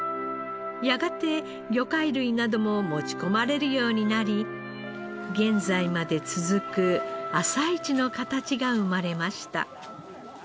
やがて魚介類なども持ち込まれるようになり現在まで続く朝市の形が生まれました。